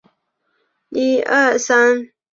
拉兹奎耶。